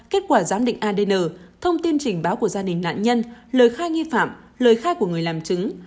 kết quả giám định adn thông tin trình báo của gia đình nạn nhân lời khai nghi phạm lời khai của người làm chứng